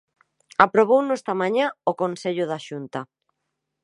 Aprobouno esta mañá o Consello da Xunta.